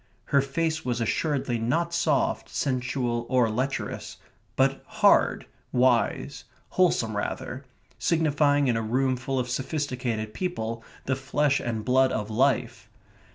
Her face was assuredly not soft, sensual, or lecherous, but hard, wise, wholesome rather, signifying in a room full of sophisticated people the flesh and blood of life.